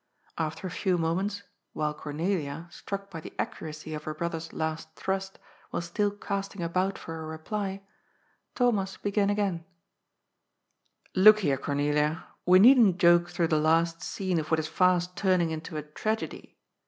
After a few moments — ^while Cornelia, struck by the accuracy of her brother's last thrust, was still casting about for a reply — Thomas began again :*^ Look here, Cornelia, we needn't joke through the last scene of what is fast turning into a tragedy.